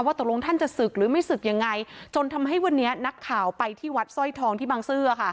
ตกลงท่านจะศึกหรือไม่ศึกยังไงจนทำให้วันนี้นักข่าวไปที่วัดสร้อยทองที่บางซื่อ